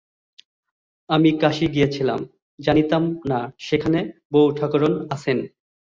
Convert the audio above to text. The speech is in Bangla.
আমি কাশী গিয়াছিলাম, জানিতাম না, সেখানে বউঠাকরুণ আছেন।